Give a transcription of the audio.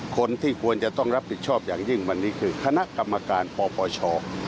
คนที่ควรจะต้องรับผิดชอบอย่างยิ่งวันนี้คือคณะกรรมการปปช